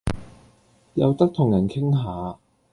有得同人傾下